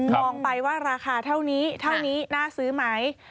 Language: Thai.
มองไปว่าราคาเท่านี้น่าซื้อไหม